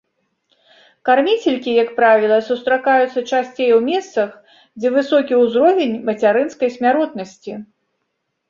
Карміцелькі, як правіла, сустракаюцца часцей у месцах, дзе высокі ўзровень мацярынскай смяротнасці.